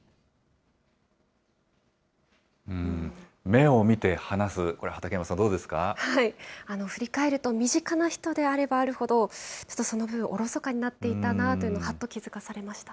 目を見て話す、これ、振り返ると、身近な人であればあるほど、ちょっとその分、おろそかになっていたなと、はっと気付かされました。